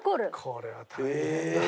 これは大変だ。